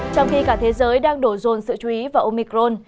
trong khi cả thế giới đang đổ dồn sự chú ý vào omicron